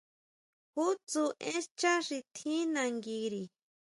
¿Jú tsú én xchá xi tjín nanguiri?